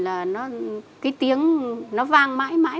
là cái tiếng nó vang mãi mãi